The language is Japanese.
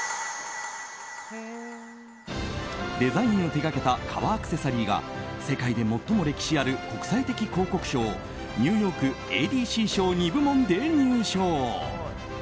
デザインを手掛けた革アクセサリーが世界で最も歴史ある国際的広告賞ニューヨークＡＤＣ賞２部門で入賞。